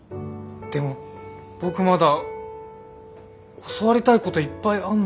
でも僕まだ教わりたいこといっぱいあんのに。